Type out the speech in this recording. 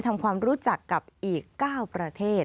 ทำความรู้จักกับอีก๙ประเทศ